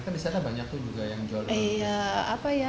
kan disana banyak juga yang jodol